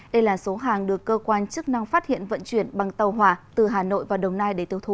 đây là số hàng được cơ quan chức năng phát hiện vận chuyển bằng tàu hỏa từ hà nội vào đồng nai để tiêu thụ